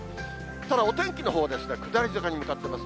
ただお天気のほうは下り坂に向かっています。